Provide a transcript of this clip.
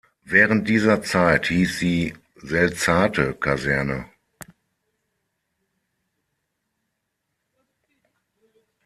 Während dieser Zeit hieß sie „Selzate-Kaserne“.